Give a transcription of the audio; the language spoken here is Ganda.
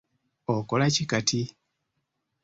Okola ki kati?